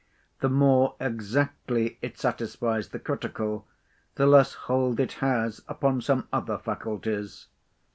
The more exactly it satisfies the critical, the less hold it has upon some other faculties.